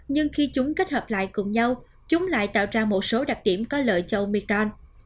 nhưng khi chúng kết hợp lại cùng nhau chúng lại tạo ra một số đặc điểm có lợi cho oecron